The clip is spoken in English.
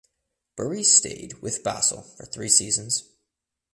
Burri stayed with Basel for three seasons.